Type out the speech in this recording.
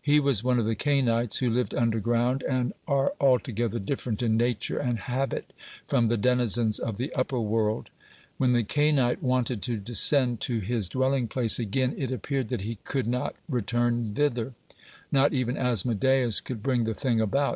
He was one of the Cainites, who live underground, and are altogether different in nature and habit from the denizens of the upper world. (28) When the Cainite wanted to descend to his dwelling place again, it appeared that he could not return thither. Not even Asmodeus could bring the thing about.